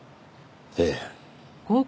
ええ。